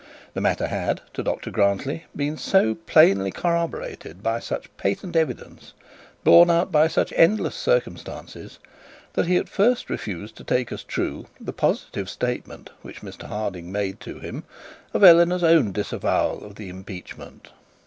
The matter had, to Dr Grantly, been so plainly corroborated by such patent evidence, borne out by such endless circumstances, that he at first refused to take as true the positive statement which Mr Harding made to him of Eleanor's own disavowal of the impeachment.